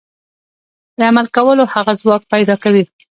د عمل کولو هغه ځواک پيدا کوي.